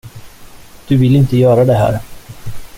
Du vill inte göra det här.